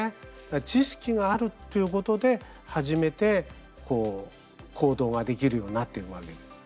知識があるっていうことで初めて行動ができるようになっているわけです。